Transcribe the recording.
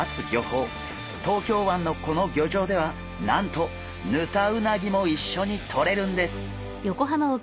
東京湾のこの漁場ではなんとヌタウナギもいっしょにとれるんです。